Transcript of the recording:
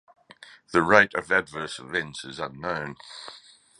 The rate of adverse events is unknown.